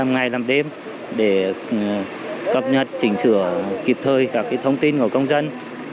ngày làm đêm để cập nhật chỉnh sửa kịp thời các thông tin của công dân